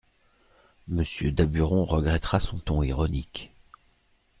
Monsieur Daburon regretta son ton ironique.